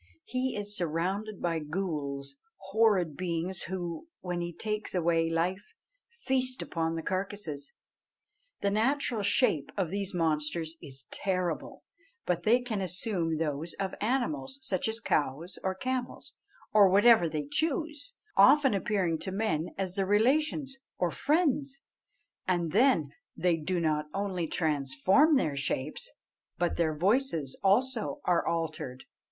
He is surrounded by ghools, horrid beings who, when he takes away life, feast upon the carcasses. The natural shape of these monsters is terrible; but they can assume those of animals, such as cows or camels, or whatever they choose, often appearing to men as their relations or friends, and then they do not only transform their shapes, but their voices also are altered.